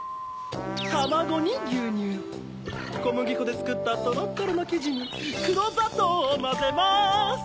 たまごにぎゅうにゅうこむぎこでつくったとろっとろのきじにくろざとうをまぜます！